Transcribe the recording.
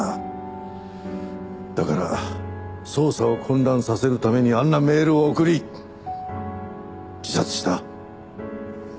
だから捜査を混乱させるためにあんなメールを送り自殺した。